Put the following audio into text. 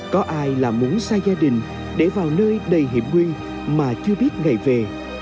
có ai là muốn xa gia đình để vào nơi đầy hiệp nguyên mà chưa biết ngày về